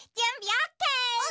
オッケー。